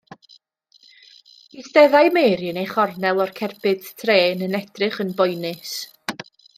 Eisteddai Mary yn ei chornel o'r cerbyd trên yn edrych yn boenus.